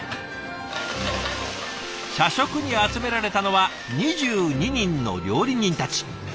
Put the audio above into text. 社食に集められたのは２２人の料理人たち。